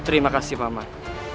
terima kasih paman